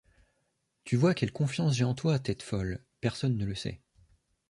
Tu vois quelle confiance j'ai en toi, tête folle ; personne ne le sait.